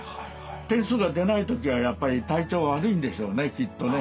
点数が出ない時はやっぱり体調悪いんでしょうねきっとね。